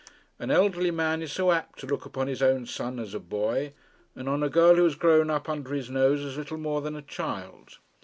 An elderly man is so apt to look upon his own son as a boy, and on a girl who has grown up under his nose as little more than a child!